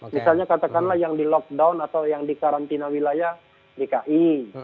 misalnya katakanlah yang di lockdown atau yang di karantina wilayah dki